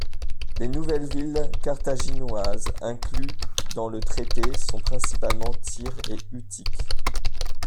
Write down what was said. Les nouvelles villes carthaginoises incluent dans le traité sont principalement Tyr et Utique.